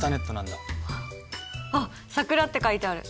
あっ「サクラ」って書いてある。